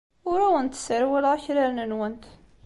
Ur awent-sserwaleɣ akraren-nwent.